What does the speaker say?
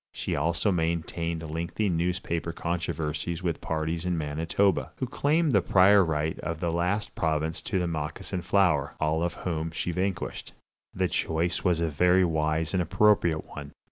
She also maintained lengthy newspaper controversies with parties in Manitoba, who claimed the prior right of that province to the moccasin flower, all of whom she vanquished. The choice was a very wise and appropriate one.